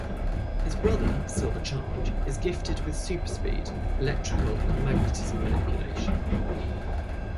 His brother, Silver Charge, is gifted with super speed, electrical and magnetism manipulation.